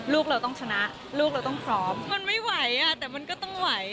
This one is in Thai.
ลูกเราต้องชนะลูกเราต้องพร้อมมันไม่ไหวอ่ะแต่มันก็ต้องไหว